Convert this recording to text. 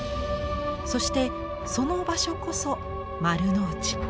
そしてその場所こそ丸の内。